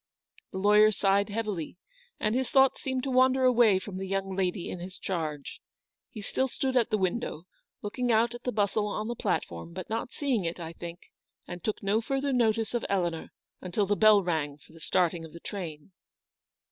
The lawyer sighed heavily, and his thoughts seemed to wander away from the young lady in his charge. He still stood at the window, looking out at the bustle on the platform, but not seeing it, I think, and took no further notice of Eleanor until the bell rang for the starting of the train.